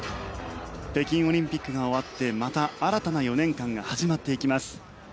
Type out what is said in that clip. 北京オリンピックが終わってまた新たな４年間が始まっていきます。